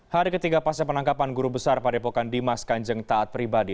hari ketiga pasca penangkapan guru besar padepokan dimas kanjeng taat pribadi